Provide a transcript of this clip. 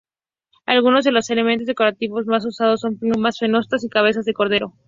Algunos de los elementos decorativos más usados son plumas, festones y cabezas de cordero.